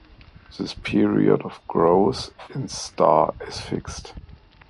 This period of growth, instar, is fixed.